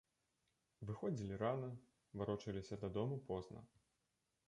Выходзілі рана, варочаліся дадому позна.